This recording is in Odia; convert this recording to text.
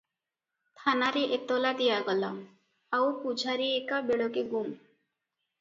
ଥାନାରେ ଏତଲା ଦିଆଗଲା, ଆଉ ପୂଝାରୀ ଏକା ବେଳକେ ଗୁମ୍!